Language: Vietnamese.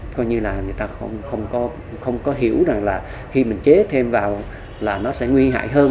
coi như là người ta không có hiểu rằng là khi mình chế thêm vào là nó sẽ nguy hại hơn